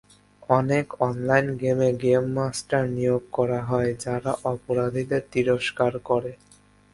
অনেক অনলাইন গেমে গেমমাস্টার নিয়োগ করা হয় যারা অপরাধীদের তিরস্কার করে।